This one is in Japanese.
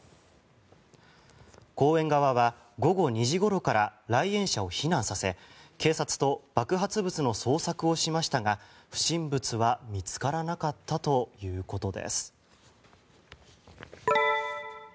公園側は午後２時ごろから来園者を避難させ警察と爆発物の捜索をしましたが不審物は見つからなかったということです。